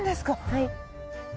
はい。